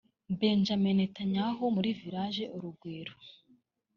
Benjamin Netanyahu muri Village Urugwiro